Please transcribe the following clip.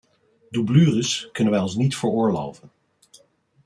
Doublures kunnen wij ons niet veroorloven.